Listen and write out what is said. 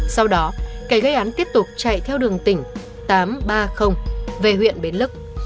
sau đó kẻ gây án tiếp tục chạy theo đường tỉnh tám trăm ba mươi về huyện bến lức